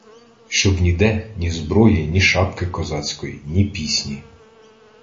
Щоб ніде — ні зброї, ні шапки козацької, ні пісні.